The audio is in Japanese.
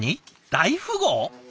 大富豪？